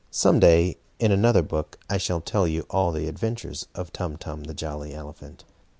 Some day, in another book, I shall tell you all the adventures of Tum Tum, the jolly elephant.